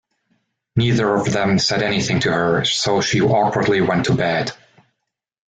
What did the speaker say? Neither of them said anything to her, so she awkwardly went to bed.